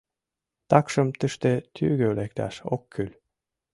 Такшым тыште тӱгӧ лекташ ок кӱл.